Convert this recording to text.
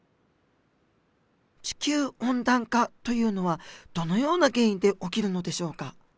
地球温暖化というのはどのような原因で起きるのでしょうか？